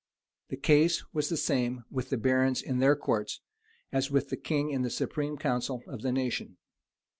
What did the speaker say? The case was the same with the barons in their courts, as with the king in the supreme council of the nation.